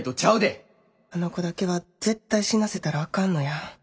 あの子だけは絶対死なせたらあかんのや。